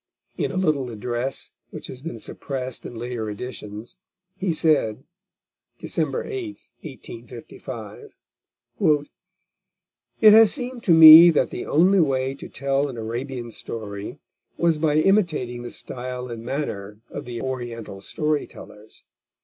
In a little address which has been suppressed in later editions he said (December 8, 1855) "It has seemed to me that the only way to tell an Arabian Story was by imitating the style and manner of the Oriental Story tellers.